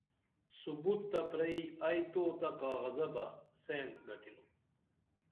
ثبوت تہ پرئی ائی تو تہ کاغذہ بہ سین گٹِنُم